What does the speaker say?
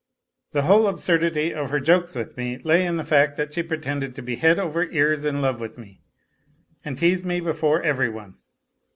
The whole absurdity of her jokes with me lay in the fact that she pretended to be head over ears in love with me, and teased me before every one.